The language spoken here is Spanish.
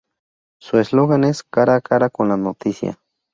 Su eslogan es "Cara A Cara Con La Noticia".